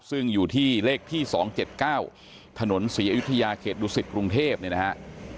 ซึ่งอยู่ที่เลขที่สองเจ็ดเก้าถนนศรีอยุธยาเขตดุสิตกรุงเทพนี่นะฮะ